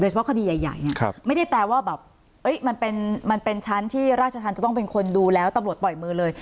เฉพาะคดีใหญ่เนี่ยไม่ได้แปลว่าแบบมันเป็นชั้นที่ราชธรรมจะต้องเป็นคนดูแล้วตำรวจปล่อยมือเลย